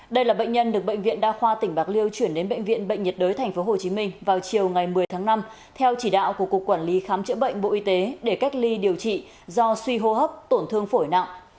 đây là bệnh nhân được bệnh viện đa khoa tỉnh bạc liêu chuyển đến bệnh viện bệnh nhiệt đới tp hcm vào chiều ngày một mươi tháng năm theo chỉ đạo của cục quản lý khám chữa bệnh bộ y tế để cách ly điều trị do suy hô hấp tổn thương phổi nặng